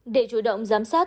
để chủ động giám sát